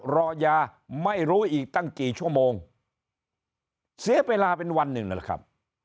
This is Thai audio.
รอยาไม่รู้อีกตั้งกี่ชั่วโมงเสียเวลาเป็นวันหนึ่งนั่นแหละครับ